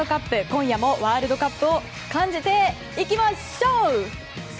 今夜もワールドカップを感じていきましょう。